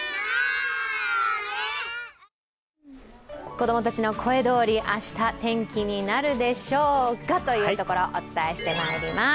子供たちの声どおり、明日天気になるのでしょうかというところ、お伝えしてまいります。